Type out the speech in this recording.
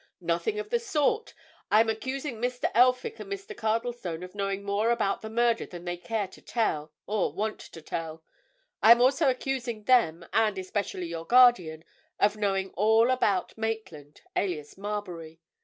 "Nothing of the sort. I am accusing Mr. Elphick and Mr. Cardlestone of knowing more about the murder than they care to tell or want to tell. I am also accusing them, and especially your guardian, of knowing all about Maitland, alias Marbury.